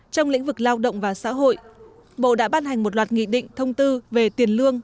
trong lĩnh vực lao động và xã hội bộ đã ban hành một loạt nghị định thông tư về tiền lương